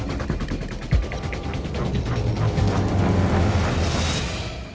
พี่ป๋องครับผมเคยไปที่บ้านผีคลั่งมาแล้ว